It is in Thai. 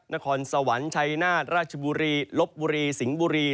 นครสวรรค์ชัยนาฏราชบุรีลบบุรีสิงห์บุรี